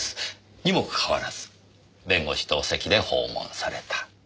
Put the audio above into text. にもかかわらず弁護士同席で訪問された。